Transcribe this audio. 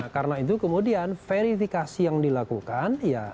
karena itu kemudian verifikasi yang dilakukan